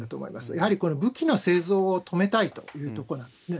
やはりこの武器の製造を止めたいというところなんですね。